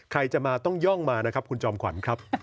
ใครจะมาต้องย่องมานะครับคุณจอมขวัญครับ